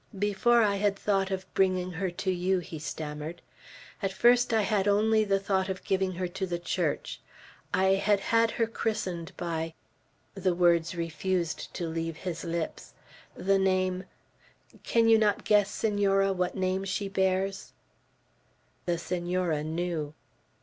"Before I had thought of bringing her to you," he stammered, "at first I had only the thought of giving her to the Church. I had had her christened by" the words refused to leave his lips "the name Can you not guess, Senora, what name she bears?" The Senora knew.